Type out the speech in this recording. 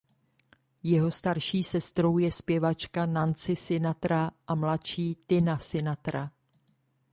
Jeho starší sestrou je zpěvačka Nancy Sinatra a mladší Tina Sinatra.